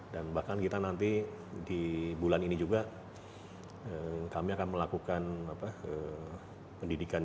dan bahkan kita nanti di bulan ini juga kami akan melakukan pendidikan